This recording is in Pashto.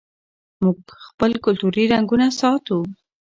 موږ خپل کلتوري رنګونه ساتو.